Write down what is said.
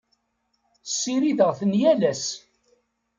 Ssirideɣ-ten yal ass.